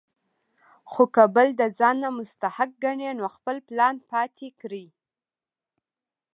خو کۀ بل د ځان نه مستحق ګڼي نو خپل پلان پاتې کړي ـ